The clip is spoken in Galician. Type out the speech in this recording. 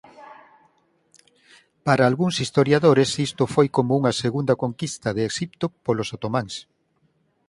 Para algúns historiadores isto foi como unha segunda conquista de Exipto polos otománs.